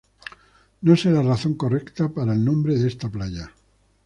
No se la razón correcta para el nombre de esta playa.